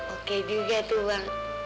oke juga tuh bang